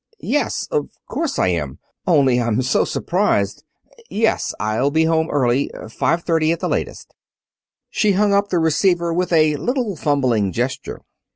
"Yes, of course I am. Only, I'm so surprised. Yes, I'll be home early. Five thirty at the latest." She hung up the receiver with a little fumbling gesture.